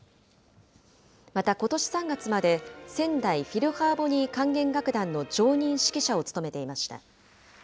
またことし３月まで仙台フィルハーモニー管弦楽団の常任指揮者を務めていました。